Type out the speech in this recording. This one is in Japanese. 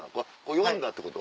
呼んだってこと？